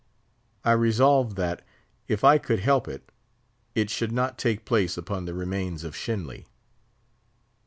I resolved that, if I could help it, it should not take place upon the remains of Shenly.